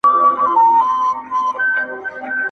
بیمار کړے یمه ســـتا بیـمارو سـترګــو